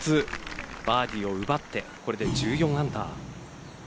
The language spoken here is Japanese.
もう１つバーディーを奪ってこれで１４アンダー。